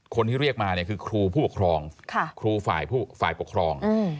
คนที่เรียกมาคือครูผู้ปกครองครูฝ่ายผู้ฝ่ายปกครอง